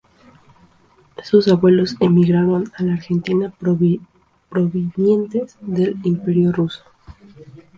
Sus abuelos emigraron a la Argentina provenientes del Imperio ruso.